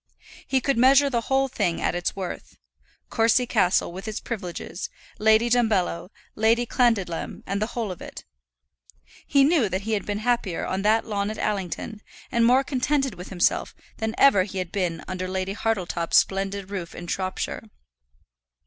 He could measure the whole thing at its worth, Courcy Castle with its privileges, Lady Dumbello, Lady Clandidlem, and the whole of it. He knew that he had been happier on that lawn at Allington, and more contented with himself, than ever he had been even under Lady Hartletop's splendid roof in Shropshire.